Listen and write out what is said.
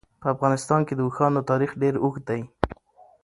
په افغانستان کې د اوښانو تاریخ ډېر اوږد دی.